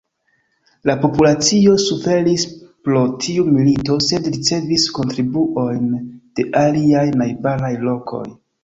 La populacio suferis pro tiu milito, sed ricevis kontribuojn de aliaj najbaraj lokoj.